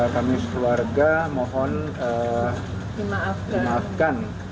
kami sekeluarga mohon dimaafkan